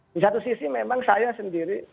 di satu sisi memang saya sendiri